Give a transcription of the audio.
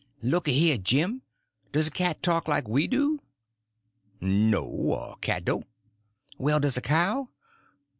"Looky here, Jim; does a cat talk like we do?" "No, a cat don't." "Well, does a cow?"